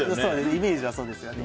イメージはそうですよね。